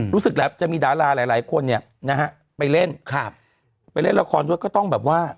รู้สึกแหละจะมีดาราหลายหลายคนเนี่ยนะฮะไปเล่นครับไปเล่นละครด้วยก็ต้องแบบว่า